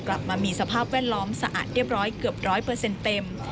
กลับมามีสภาพแว่นล้อมสะอาดเรียบร้อยเกือบ๑๐๐เต็ม